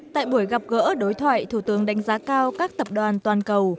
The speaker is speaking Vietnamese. tại buổi gặp gỡ đối thoại thủ tướng đánh giá cao các tập đoàn toàn cầu